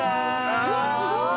うわすごい！